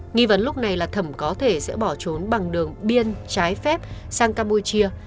nghi vấn lúc này là thẩm có thể sẽ bỏ trốn bằng đường biên trái phép sang campuchia